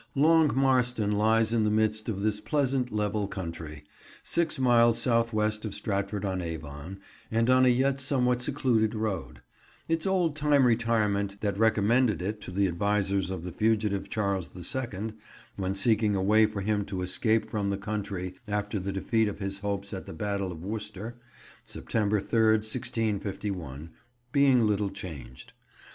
Long Marston lies in the midst of this pleasant, level country, six miles south west of Stratford on Avon, and on a yet somewhat secluded road; its old time retirement that recommended it to the advisers of the fugitive Charles the Second, when seeking a way for him to escape from the country after the defeat of his hopes at the Battle of Worcester, September 3rd, 1651, being little changed.